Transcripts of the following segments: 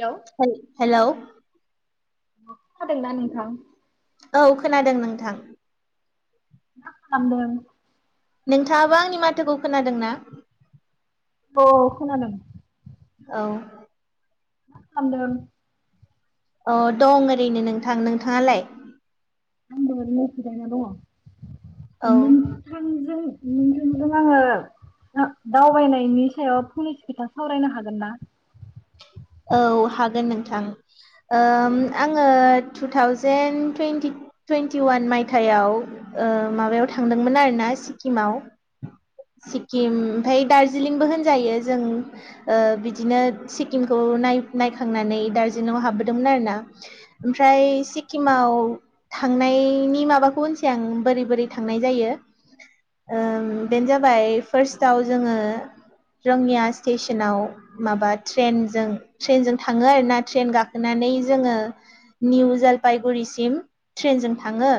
Hello hello खोनादोंना नोंथां? औ खोनादों नोंथां। मा खालामदों? नोंथांङाबो आंनि माथोखौ खोनादोंना? औ खोनादों औ मा खालामदों? अ दं ओरैनो नोंथां नोंथांङालाय? आंबो ओरैनो जिरायना दंङ औ थां नुनो थदों आङो [unintelligible] दावबायनायनि सायाव फंनैसो खोथा सावरायनो हागोनना? औ हागोन नोंथां ओम आंङो टु थावजेेन टुइन्टि टुइन्टिवान मायथायाव ओ माबायाव थांदोंमोन आरोना सिक्किमाव। सिक्किम ओमफाय दार्जिलिंबो होनजायो जों ओ बिदिनो सिक्किम खौ नाय-नायखांनानै दार्जिलिंङाव हाबबोदोंमोन आरो ना। ओमफ्राय सिक्किमाव थांनायनि माबाखौ होनसै आं बोरै बोरै थांनाय जायो ओ बेनो जाबाय फार्स्टआव जोंङो रोङिया स्टेशनाव माबा ट्रेन जों ट्रेनजों थांङो आरोना ट्रेन गाखोनानै जोंङो निउ जलफायगुरिसिम ट्रेनजों थांङो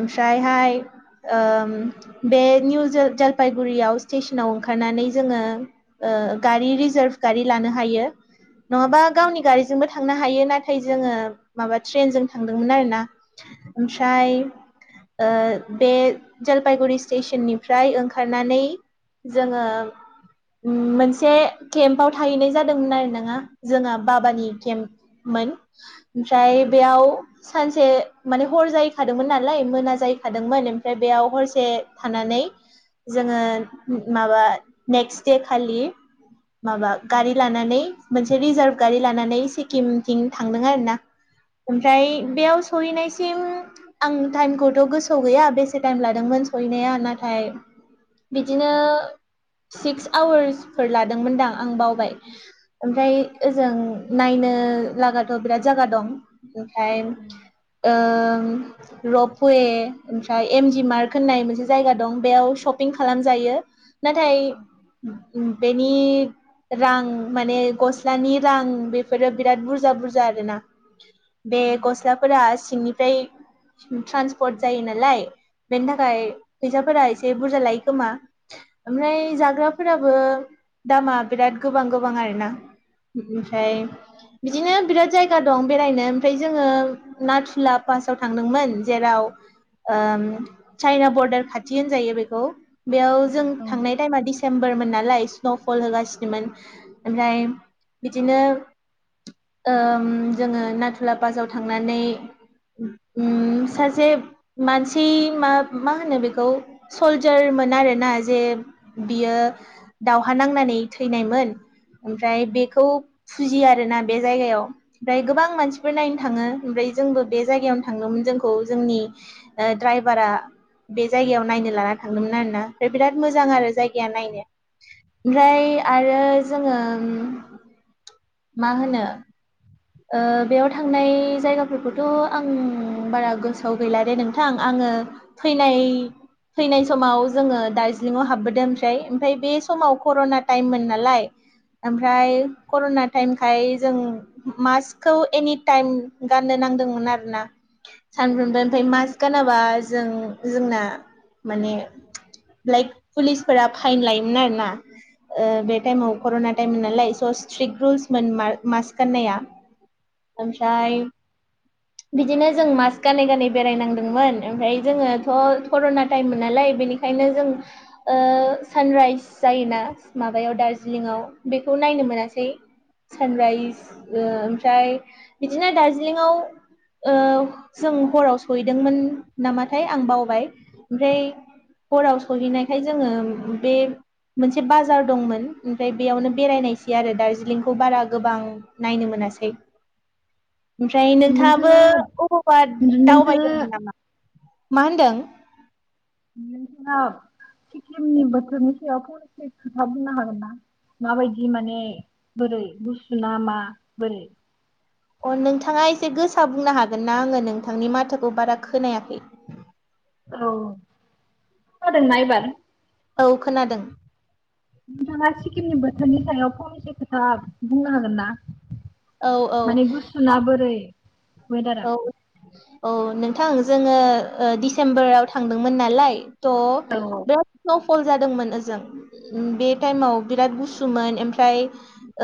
ओमफ्रायहाय ओम बे निउ ज-जलफायगुरियाव स्टेसनाव ओंखारनानै जोंङो ओ गारि रिजार्भ गारि लानो हायो। नंङाबा गावनि गारिजोंबो थांनो हायो नाथाय जोंङो माबा ट्रेनजों थांदोंमोन आरोना। ओमफ्राय ओ बे जलफायगुरि स्टेसननिफ्राय ओंखारनानै जोङो मोनसे केम्पआव थाहैनाय जादोंमोन आरो ना जोंहा बाबानि केम्पमोन। ओमफ्राय बेयाव सानसे माने हर जाहैखादोंमोन नालाय मोना जाहैखादोंमोन ओमफ्राय बेयाव हरसे थानानै जोङो माबा नेक्स्ट दे खालि माबा गारि लानानै मोनसे रिजार्भ गारि लानानै सिक्किमथिं थांदों आरोना। ओमफ्राय बेयाव सौहैनायसिम आं टाइमखौथ' गोसोआव गैया बेसे टाइम लादोंमोन सहैनाया नाथाय बिदिनो सिक्स आवार्सफोर लादोंमोनदां आं बावबाय। ओमफ्राय ओजों नायनो लागाथ' बिराद जागा दं। ओमफ्राय ओ रपवे ओमफ्राय एमजि मार्क होननाय मोनसे जायगा दं बेयाव शपिं खालामजायो। नाथाय बेनि रां माने गस्लानि रां बेफोरो बिराद बुरजा बुरजा आरोना। बे गस्लाफोरा सिंनिफ्राय ट्रान्सपर्ट जायो नालाय बेनि थाखाय फैसाफोरा एसे बुरजा लायो खोमा। ओमफ्राय जाग्राफोराबो दामा बिराद गोबां गोबां आरोना। ओमफ्राय बिदिनो बिराद जायगा दं बेरायनो ओमफ्राय जोङो नाथुला पासाव थांदोंमोन जेराव ओ चाइना बर्डार खाथिनो होनजायो बेखौ। बेयाव जों थांनाय टाइमा डिसेम्बरमोन नालाय स्न' फल होगासिनोमोन ओमफ्राय बिदिनो ओम जोङो नाथुला पासाव थांनानै उम सासे मानसि मा मा होनो बेखौ सलजारमोन आरोना जे बियो दावहा नांनानै थैनायमोन ओमफ्राय बेखौ फुजियो आरोना बे जायगायाव। ओमफ्राय गोबां मानसिफोर नायनो थाङो ओमफ्राय जोंबो बे जायगायावनो थांदोंमोन जोंखौ जोंनि ओ ड्राइभारा बे जायगायाव नायनो लाना थांदोंमोन आरोना ओमफ्राय बिराद मोजां आरो जायगाया नायनो। ओमफ्राय आरो जोङो मा होनो ओ बेयाव थांनाय जायगाफोरखौथ' आं बारा गोसो आव गैला दे नोंथां आङो फैनाय फैनाय समाव जोङो दार्जिलिंआव हाबबोदों ओमफ्राय ओमफ्राय बे समाव कर'ना टाइममोन नालाय [inaudible] ओमफ्राय कर'ना टाइमखाय जों मास्कखौ एनि टाइम गाननो नांदोंमोन आरोना। सानफ्रोमबो ओमफ्राय मास्क गानाबा जों जोंना माने लाइक पुलिसफोरा फाइन लायोमोन आरोना। ओ बे टाइमाव कर'ना टाइम नालाय स' स्ट्रिक रुल्समोन मा-मास्क गाननाया। ओमफ्राय [inaudible] बिदिनो जों मास्क गानै गानै बेराय नांदोंमोन ओमफ्राय जोङोथ' कर'ना टाइममोन नालाय बेनिखाय ओंखायनो जों ओ सानराइस जायोना माबायाव दार्जिलिंआव बेखौ नायनो मोना सै सानराइज ओ ओमफ्राय बिदिनो दार्जिलिंआव ओ जों हराव सहैदोंमोन नामाथाय आं बावबाय ओमफ्राय हराव सौहैनायखाय जोङो बे मोनसे बाजार दंमोन ओमफ्राय बेयावनो बेरायनायसै आरो दार्जिलिंखौ बारा गोबां नायनो मोनासै ओमफ्राय नोंथाङाबो नोंथाङा अबावबा नोंथाङा दावबायदोंमोन नामा मा होनदों? नोंथाङा सिक्किमनि बोथोरनि सायाव फंनैसो खोथा बुंनो हागोन ना? माबायदि माने बोरै गुसु ना मा बोरै? अ नोंथाङा एसे गोसा बुंनो हागोन ना आङो नोंथांनि माथोखौ बारा खोनायाखै? औ खोनादोंना एबार? औ खोनादों। नोंथाङा सिक्किमनि बोथोरनि सायाव फंनैसो खोथा बुंनो हागोन ना? औ औ माने गुसुना बोरै [unintelligible] औ औ नोंथां जोङो दिडसेम्बराव थांदोंमोन नालाय थ' औ औ बिराथ स्न'फल जादोंमोन ओजों। बे टाइमाव बिराद गुसुमोन ओमफ्राय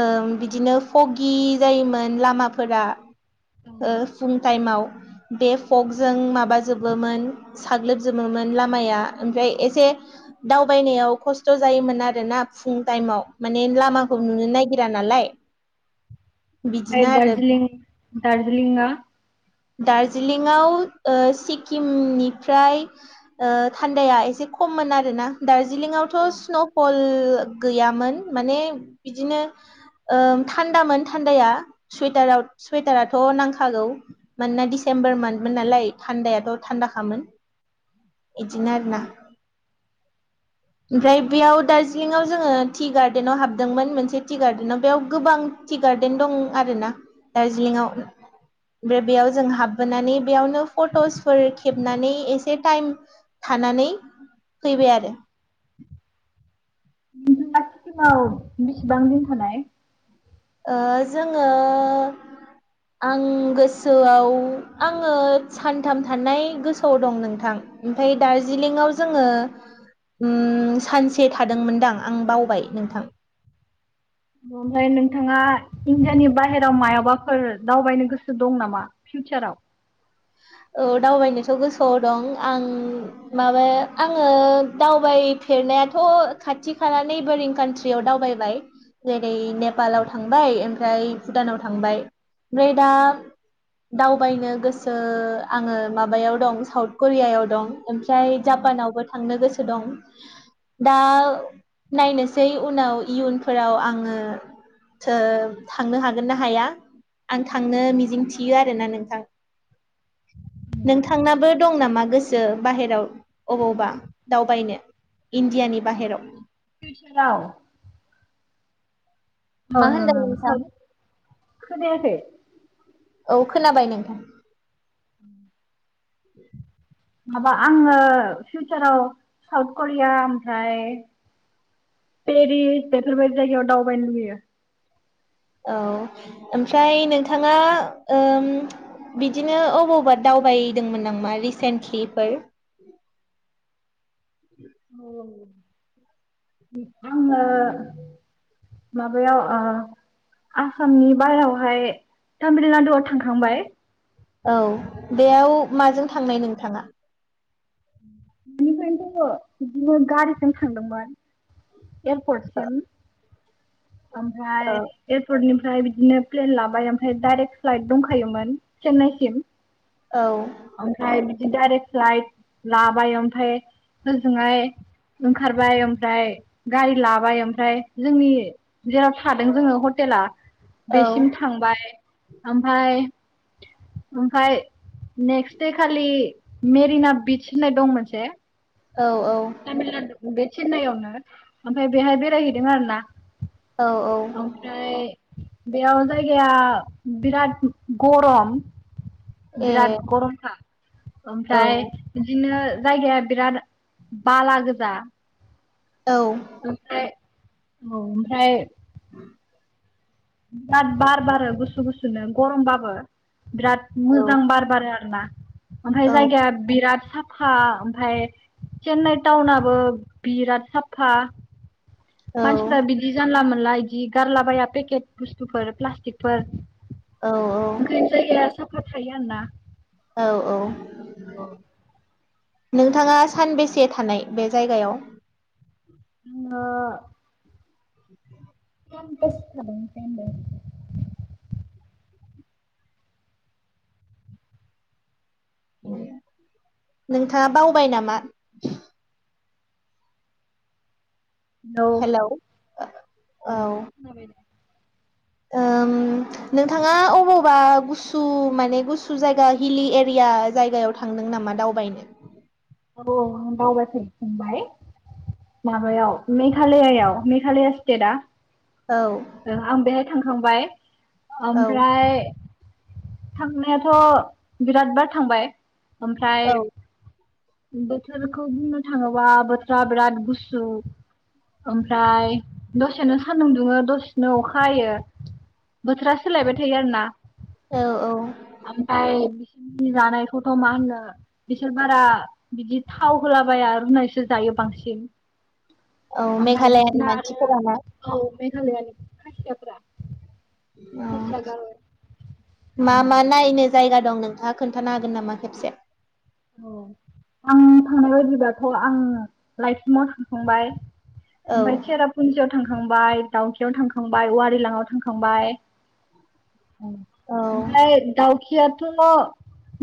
ओ बिदिनो फगि जायोमोन लामाफोरा ओ फुंनि टाइमाव बे फकजों माबाजोबोमोन साग्लोबजोबोमोन लामाया ओमफ्राय एसे दावबायनायाव खस्थ' जायोमोन आरोना फुं टाइमाव माने लाम माखौ औ नुनो ओमफ्राय नायगिरा नालाय बिदिनो आमफाप आरो दार्जिलिं दार्जिलिंगा दार्जिलिंआव ओ सिक्किमनिफ्राय ओ थान्दाया एसे खममोन आरो ना दार्जिलिंआवथ' औ स्न'फल फल गैयामोन माने बिदिनो ओ थान्दामोन थान्दाया सुयथाराव सुयथाराथ' नांखागौ मानोना डिसेम्बर मान्थमोन नालाय थान्दायाथ' थान्दाखामोन। इदिनो आरो ना [unintelligible] ओमफ्राय बेयाव दार्जिलिंआव जोङो टि गार्डेनाव हाबदोंमोन मोनसे टि गार्डेनाव बेयाव गोबां टि गार्डेन दं आरो ना दार्जिलिंआव। ओमफ्राय बेयाव जों हाबबोनानै बेयावनो पथसफोर खेबनानै एसे टाइम थानानै फैबाय आरो। नोंथाङा सिक्किमाव बिसिबां दिन थानाय? ओ जोङो आं गोसोआव आङो सानथाम थानाय गोसोआव दं नोंथां। ओमफ्राय दार्जिलिंआव जोङो ओम सानसे थादोंमोनदां आं बावबाय नोंथां। ओमफ्राय नोंथाङा इण्डियानि बाहेरायाव मायाबाफोर दावबायनो गोसो दं नामा? फिउचाराव औ दावबायनोथ' गोसोआव दं आं माबा आङो दावबायफेरनायाथ' खाथि खाानानै बोरिंखान्ट्रि याव दावबाय जेरै- नेपालाव थांबाय ओमफ्राय भुटानाव थांबाय। ओमफ्राय दा दावबायनो गोसो आङो माबायाव दं साउथ करियायाव दं। ओमफ्राय जापानावबो थांनो गोसो दं दा नायनोसै उनाव इयुनफोराव आङो सो थांनो हागोन ना हाया आं थांनो मिजिं थियो आरोना नोंथां। नोंथांनाबो दं नामा गोसो बाहेराव अबावबा दावबायनो? इण्डियानि बाहेराव। फिउचाराव मा ओं होनदों ओं नोंथां साउथ खोनायाखै? औ खोनाबाय नोंथां। [inaudible] माबा आङो फिउचाराव साउथ करिया ओमफ्राय पेरिस बेफोरबायदि जायगायाव दावबायनो लुुबैयो। औ ओमफ्राय नोंथां ओम बिदिनो अबावबा दावबायदोंमोन नामा रिसेन्टलिफोर? औ। आङो माबायाव ओ आसामनि बाहेरावहाय तामिल नाडुआव थांखांबाय। औ बेयाव माजों थांनाय नोंथांआ? बिनिफ्राय जोङो बिदिनो गारिजों थांदोंमोन। एयारपर्ट सिम आमफ्राय औ एयारपर्टनिफ्राय बिदिनो प्लेन लाबाय आमफ्राय डाइरेक्ट फ्लाइट दंखायोमोन। चेन्नायसिम। औ। आमफ्राय बिदि डाइरेक्ट फ्लाइट लाबाय ओमफ्राय होजोंहाय ओंखारबाय ओमफ्राय गारि लाबाय आमफ्राय जोंनि जेराव थादों जोङो हटेला औ बेसिम था थांबाय आमफ्राय ओमफ्राय नेक्स्ट दे खालि मेरिना बिदच होननाय दं मोनसे औ औ। तामिलनाडु बे चेननायआवनो ओमफाय बेहाय बेरायहैदों आरो ना। औ औ। ओमफ्राय बेयाव जायगाया बिराद गरम। बिराद ए गरमखा औ ओमफ्राय बिदिनो जायगाया बिराद बाला गोजा। औ आमफ्राय औ आमफ्राय [inaudible] ब्राद बार बारो गुसु गुसुनो गरमबाबो बिराद औ मोजां बार बारो आरो ना ओमफ्राय औ जायगाया बिराद साफ फा ओमफाय चेन्नाइ टाउनाबो बिराद साफा। मानसिफोरा औ बिदि जानला मोनला इदि गारलाबाया पेकेट बुस्थुफोर प्लास्टिकफोर। औ ओंखायनो जायगाया साफा थायो आरो ना। औ औ। नोंथाङा सानबेसे थानाय बे जायगायाव? आङो [inaudible] सानबा सो थादों सानबा। नोंथाङा बावबाय नामा? हेलौ ओ औ [inaudible] ओम नोंथाङा अबावबा गुसु माने गुसु जायगा हिलि एरिया जायगायाव थांदों नामा दावबायनो? औ औ आं बावाखै फंबाय। माबायाव मेघालयायाव मेघालया स्टेटआ औ आं बेहाय थांखांबाय औ ओमफ्राय थांनायाथ' बिराद बार थांबाय औ ओमफ्राय बोथोरखौ बुंनो थाङोबा बोथोरा बिराद गुसु। ओमफ्राय दसेानो सान्दुं दुङो दसे न अखायो बोथोरा सोलायबाय थायो आरो ना औ ओ ओमफ्राय बिसोरनि जानायखौथ' मा होनो बिसोर बारा बिदि थाव होलाबाया रुनायसो जायो बांसिन औ ओमफ्राय मेघालयानि बिसोरना मानसिफोराना आरो औ खाथियाफ्रा ओ मा मा नायनो जायगा दं नोंथाङा खोन्थानो हागोन नामा खेबसे? औ आं थांनाय बायददिब्लाथ' आं लाइसिमाव थांखांबाय औ ओमफ्राय चेरापुन्जियाव थांखांबाय दाउखियाव थांखांबाय औवारिलाङआव थांखांबाय औ औ ओमफ्राय दाउखियाथ'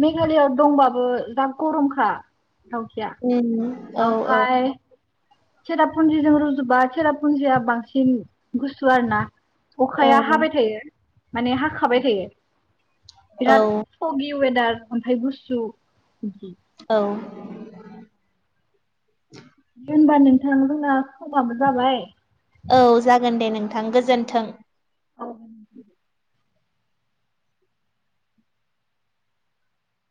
मेघालयआव दंबाबो दा गरमखा दावखिया उम औ औ ओमफ्राय सेरापुन्जिजों रुजुबा सेरापुन्जिया बांसिन गुसु आरो ना औ अखाया माने हाखाबाय थायो बिराद औ हगि वेदार ओमफ्राय गुस्सु औ दे होमबा नोंथां दना समाबो जाबाय औ जागोन दे नोंथां गोजोन्थों। औ